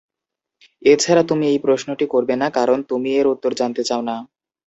তাছাড়া তুমি এই প্রশ্নটি করবেনা কারণ, তুমি এর উত্তর জানতে চাওনা।